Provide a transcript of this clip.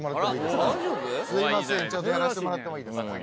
すいませんちょっとやらしてもらってもいいですか？